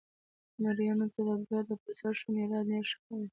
میرانو ته کډه په سر شو، میران ډېر ښه خلک وو.